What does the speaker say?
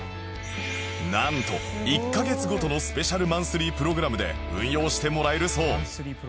なんと１カ月ごとのスペシャルマンスリープログラムで運用してもらえるそう